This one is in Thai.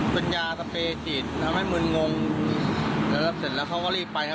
เป็นยาสเปรฉีดทำให้มึนงงนะครับเสร็จแล้วเขาก็รีบไปครับ